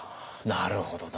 なるほどな。